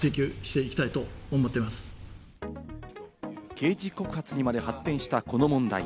刑事告発にまで発展したこの問題。